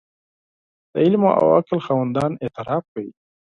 د علم او عقل خاوندان اعتراف کوي.